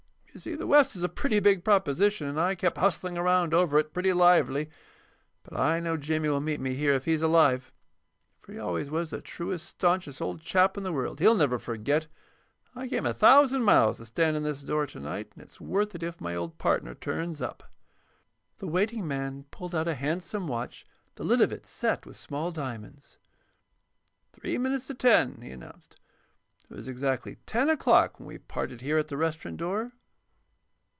You see, the West is a pretty big proposition, and I kept hustling around over it pretty lively. But I know Jimmy will meet me here if he's alive, for he always was the truest, stanchest old chap in the world. He'll never forget. I came a thousand miles to stand in this door to night, and it's worth it if my old partner turns up." The waiting man pulled out a handsome watch, the lids of it set with small diamonds. "Three minutes to ten," he announced. "It was exactly ten o'clock when we parted here at the restaurant door."